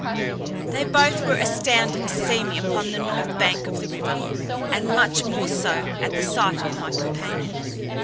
They both were astounded to see me upon the north bank of the river, and much more so at the sight of my companion.